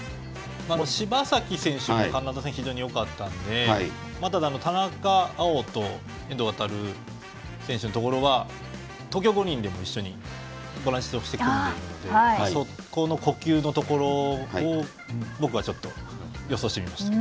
柴崎選手もカナダ戦非常によかったのですが田中碧と遠藤航選手のところは東京五輪でも一緒にボランチとして組んでいるのでそこの呼吸のところで僕は予想してみました。